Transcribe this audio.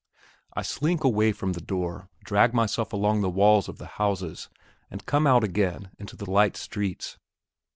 I slink away from the door, drag myself along the walls of the houses, and come out again into the light streets.